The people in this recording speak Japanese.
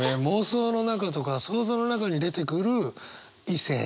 妄想の中とか想像の中に出てくる異性。